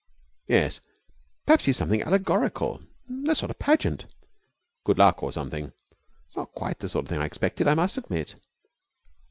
"Yes, perhaps he's something allegorical. A sort of pageant. Good Luck or something. It's not quite the sort of thing I expected, I must admit."